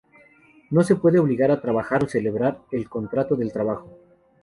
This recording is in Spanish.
No se puede obligar a trabajar o celebrar el contrato del trabajo.